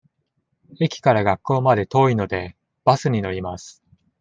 駅から学校まで遠いので、バスに乗ります。